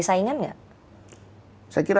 dia siblings ya itu dia sebenernya